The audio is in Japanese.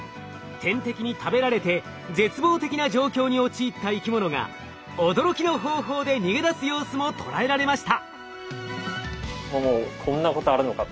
天敵に食べられて絶望的な状況に陥った生き物が驚きの方法で逃げ出す様子も捉えられました。